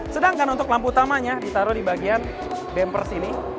sedangkan untuk lampu utamanya ditaruh di bagian damper sini